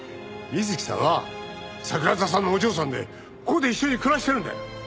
美月さんは桜田さんのお嬢さんでここで一緒に暮らしてるんだよ。